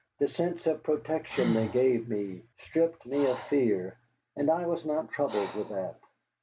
The sense of protection they gave me stripped me of fear, and I was not troubled with that.